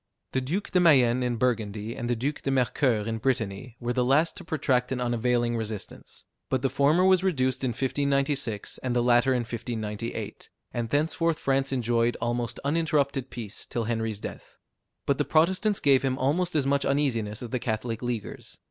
The Duke de Mayenne, in Burgundy, and the Duke de Mercoeur in Brittany, were the last to protract an unavailing resistance; but the former was reduced in 1596, and the latter in 1598, and thenceforth France enjoyed almost uninterrupted peace till Henry's death. But the Protestants gave him almost as much uneasiness as the Catholic Leaguers.